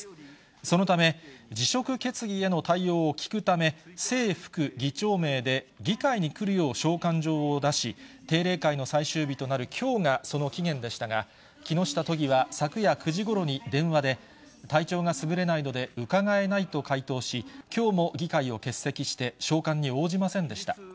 そのため、辞職決議への対応を聞くため、正副議長名で議会に来るよう召喚状を出し、定例会の最終日となるきょうがその期限でしたが、木下都議は昨夜９時ごろに電話で、体調がすぐれないので伺えないと回答し、きょうも議会を欠席して、召喚に応じませんでした。